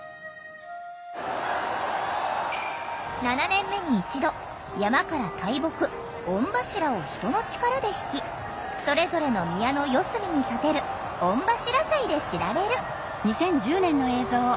７年目に一度山から大木「御柱」を人の力でひきそれぞれの宮の四隅に建てる「御柱祭」で知られる。